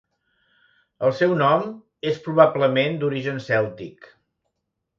El seu nom és probablement d'origen cèltic.